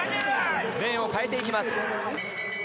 レーンを変えていきます。